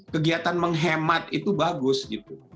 kegiatan menghemat itu bagus gitu